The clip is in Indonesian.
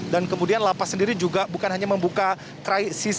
dan kemudian lapas sendiri juga bukan hanya membuka krisis